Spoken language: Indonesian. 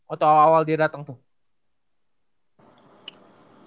atau awal awal dia dateng tuh